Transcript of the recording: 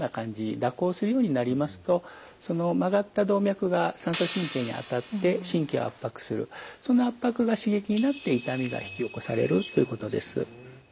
蛇行するようになりますとその曲がった動脈が三叉神経に当たって神経を圧迫するその圧迫が刺激になって痛みが引き起こされるということです。